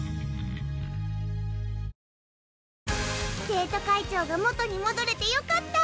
生徒会長が元にもどれてよかった！